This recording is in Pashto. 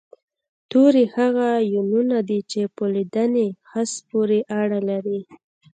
توري هغه يوونونه دي چې په لیدني حس پورې اړه لري